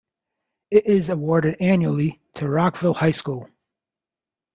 It is awarded annually to Rockville High School.